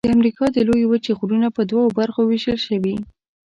د امریکا د لویې وچې غرونه په دوو برخو ویشل شوي.